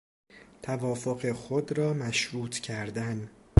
توافق خود را مشروط کردن